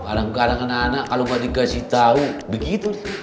kadang kadang anak anak kalau nggak dikasih tahu begitu